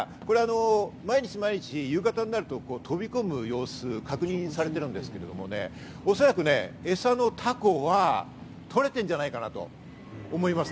毎日、夕方になると、飛び込む様子も確認されてるんですけれどもね、おそらくエサのタコはとれているんじゃないかなと思いますね。